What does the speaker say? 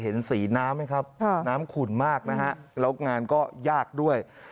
เห็นสีน้ำไหมครับน้ำขุ่นมากนะฮะแล้วงานก็ยากด้วย